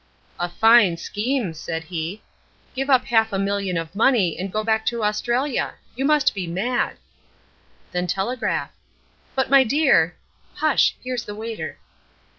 "A fine scheme!" cried he. "Give up half a million of money, and go back to Australia! You must be mad!" "Then telegraph." "But, my dear " "Hush, here's the waiter."